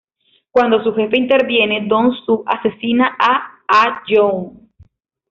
Cuándo su jefe interviene, Dong-soo asesina a Ah-young.